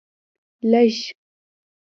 لږ